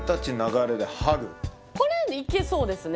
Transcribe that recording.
これいけそうですね。